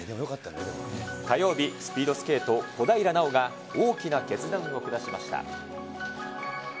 火曜日、スピードスケート、小平奈緒が大きな決断を下しました。